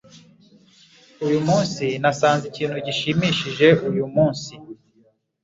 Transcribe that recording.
Uyu munsi nasanze ikintu gishimishije uyu munsi.